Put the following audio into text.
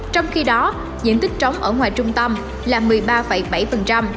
trong khi đó diện tích trống ở ngoài trung tâm là một mươi ba bảy